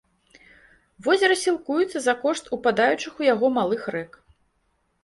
Возера сілкуецца за кошт упадаючых у яго малых рэк.